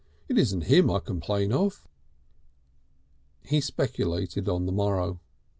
"It isn't him I complain of." He speculated on the morrow.